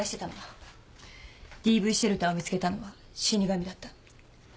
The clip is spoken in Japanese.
ＤＶシェルターを見つけたのは死神だった。